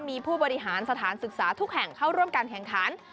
มีผู้บริหารสถานศึกษาทุกแห่งเข้าร่วมการแข่งขัน